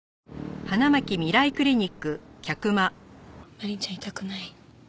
マリンちゃん痛くない？